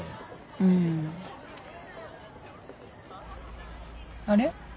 うん。あれ？